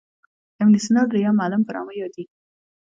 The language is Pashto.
ابن سینا درېم معلم په نامه یادیږي.